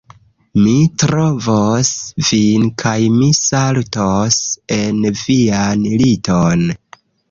Mi trovos vin kaj mi saltos en vian liton